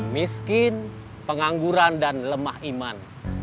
miskin pengangguran dan lemah iman